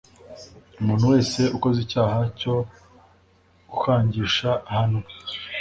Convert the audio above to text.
umuntu wese ukoze icyaha cyo gukangisha ahanwe